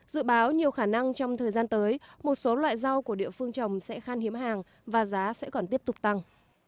dự báo nhiều khả năng trong thời gian tới một số loại rau của địa phương trồng sẽ khan hiếm hàng và giá sẽ còn tiếp tục tăng